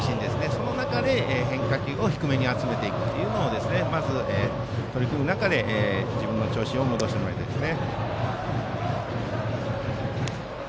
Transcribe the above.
その中で変化球を低めに集めることに取り組む中で自分の調子を戻してもらいたいです。